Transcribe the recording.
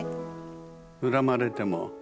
恨まれても。